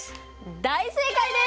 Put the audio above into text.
大正解です！